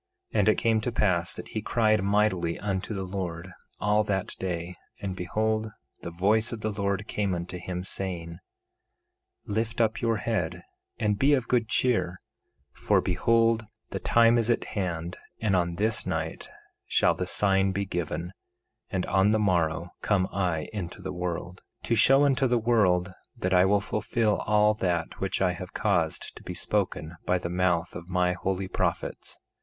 1:12 And it came to pass that he cried mightily unto the Lord, all that day; and behold, the voice of the Lord came unto him, saying: 1:13 Lift up your head and be of good cheer; for behold, the time is at hand, and on this night shall the sign be given, and on the morrow come I into the world, to show unto the world that I will fulfill all that which I have caused to be spoken by the mouth of my holy prophets.